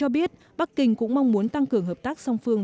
bắc kinh cũng mong muốn tăng cường hợp tác song phương